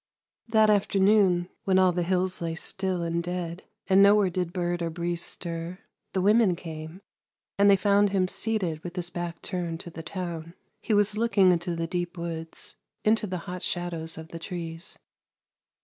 That afternoon, when all the hills lay still and dead, 342 THE LANE THAT HAD NO TURNING and nowhere did bird or breeze stir, the women came, and they found him seated with his back turned to the town. He was looking into the deep woods, into the hot shadows of the trees.